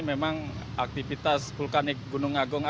memang aktivitas vulkanik gunung agung